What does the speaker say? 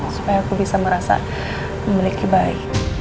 supaya aku bisa merasa memiliki bayi